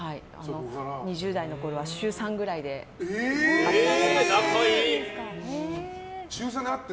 ２０代のころは週３ぐらいで会ってて。